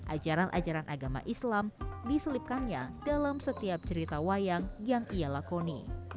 ajaran ajaran agama islam diselipkannya dalam setiap cerita wayang yang ia lakoni